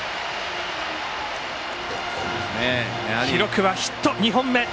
記録はヒット、２本目。